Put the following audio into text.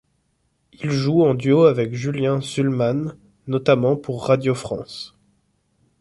Il joue en duo avec Julien Szulman, notamment pour Radio-France.